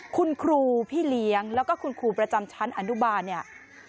คุณครูพี่เลี้ยงแล้วก็คุณครูประจำชั้นอนุบาลเนี่ย